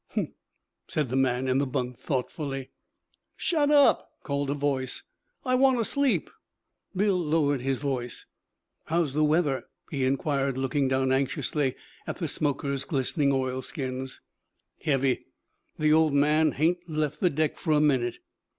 'Humph!' said the man in the bunk thoughtfully. 'Shut up!' called a voice. 'I want to sleep.' Bill lowered his voice. 'How's the weather?' he inquired, looking down anxiously at the smoker's glistening oilskins. 'Heavy. The Old Man hain't left the deck for a minute.'